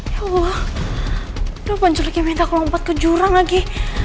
ya allah kenapa cuy lagi minta aku lompat ke jurang lagi